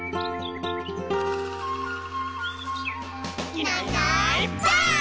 「いないいないばあっ！」